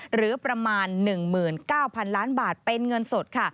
หรือประมาณ๑๙๐๐ล้านบาทเป็นเงินสดค่ะ